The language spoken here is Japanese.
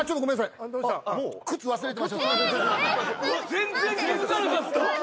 全然気付かなかった。